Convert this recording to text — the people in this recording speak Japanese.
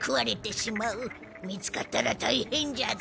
見つかったらたいへんじゃぞ。